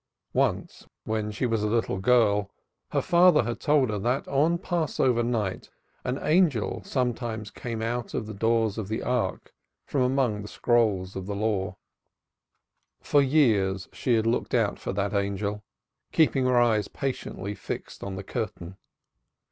Once when she was a little girl her father told her that on Passover night an angel sometimes came out of the doors of the Ark from among the scrolls of the Law. For years she looked out for that angel, keeping her eyes patiently fixed on the curtain.